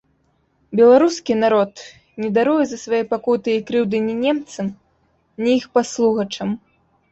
Беларускі народ не даруе за свае пакуты і крыўды ні немцам, ні іх паслугачам.